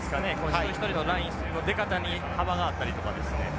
一人一人のラインの出方に幅があったりとかですね。